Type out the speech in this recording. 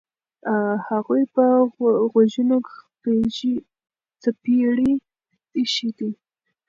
هغوی په غوږونو څپېړې ایښي دي.